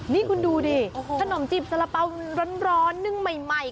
นี่คุณดูดิขนมจีบสารเป๋าร้อนนึ่งใหม่